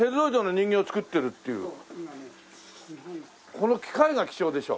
この機械が貴重でしょ。